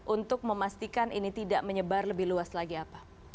untuk memastikan ini tidak menyebar lebih luas lagi apa